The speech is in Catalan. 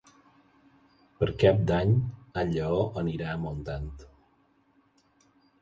Per Cap d'Any en Lleó anirà a Montant.